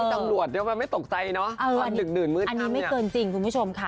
ทำรวจเดี๋ยวมันไม่ตกใจเนอะอันนี้ไม่เกินจริงคุณผู้ชมค่ะ